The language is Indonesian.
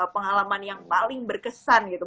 pengalaman yang paling berkesan gitu